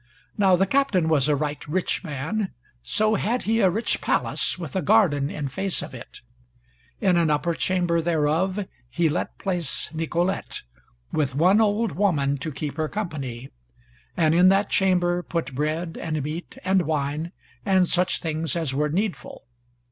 Now the Captain was a right rich man: so had he a rich palace with a garden in face of it; in an upper chamber thereof he let place Nicolete, with one old woman to keep her company, and in that chamber put bread and meat and wine and such things as were needful.